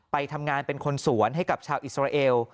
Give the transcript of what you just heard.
ไปทำงานเป็นคนสวนให้กับชาวอิสราเอล